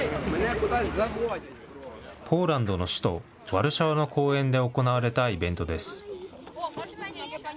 ポーランドの首都ワルシャワの公園で行われたイベントです。